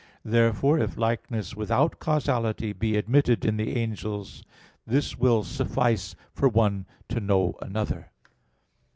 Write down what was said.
Therefore if likeness without causality be admitted in the angels, this will suffice for one to know another.